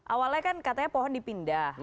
awalnya kan katanya pohon dipindah